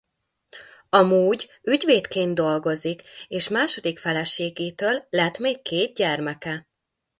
Amúgy ügyvédként dolgozik és második feleségétől lett még két gyermeke.